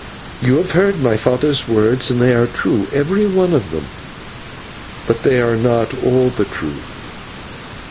You have heard my father's words, and they are true, every one of them, but they are not all the truth.